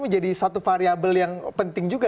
jadi satu variabel yang penting juga